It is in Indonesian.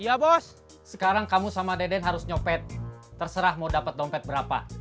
ya bos sekarang kamu sama deden harus nyopet terserah mau dapat dompet berapa